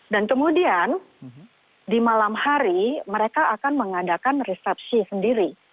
dan kemudian di malam hari mereka akan mengadakan resepsi sendiri